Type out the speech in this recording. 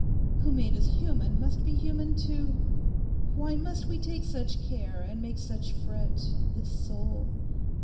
Who made us human must be human too. Why must we take such care, and make such a fret—this soul?